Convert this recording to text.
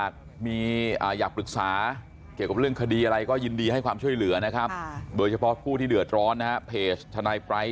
ที่เราจะดันตัวไปทางทิศทางใน